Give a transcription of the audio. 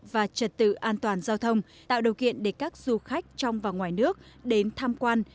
và trật tự an toàn giao thông tạo điều kiện để các du khách trong và ngoài nước đến tham quan